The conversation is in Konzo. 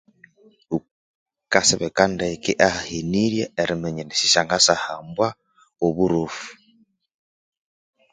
Wukasibika ndeke ahahenirye eriminya indi sisyangathasyahambwa oburofu.